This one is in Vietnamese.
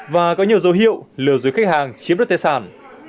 và có nhiều dấu hiệu lừa dối khách hàng chiếm đất tài sản